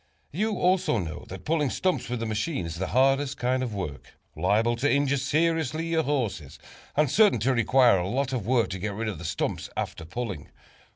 You also know that pulling stumps with a machine is the hardest kind of work liable to injure seriously your horses, and certain to require a lot of work to get rid of the stump after pulling.